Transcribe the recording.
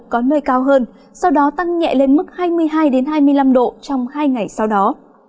có nơi cao hơn sau đó tăng nhẹ lên mức hai mươi hai hai mươi năm độ trong hai ngày sau đó